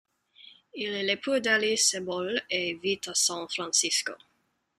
Il est l'époux d’Alice Sebold et vit à San Francisco.